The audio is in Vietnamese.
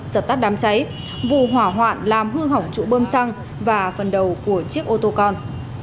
dập tắt đám cháy vụ hỏa hoạn làm hư hỏng trụ bơm xăng và phần đầu của chiếc ô tô con